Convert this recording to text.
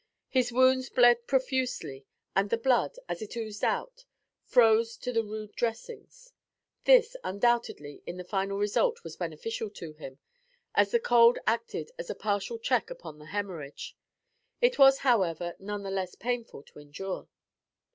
His wounds bled profusely, and, the blood, as it oozed out, froze to the rude dressings. This, undoubtedly, in the final result, was beneficial to him, as the cold acted as a partial check upon the hemorrhage. It was, however, none the less painful to endure.